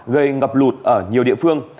gây ngập lụt ở nhiều địa phương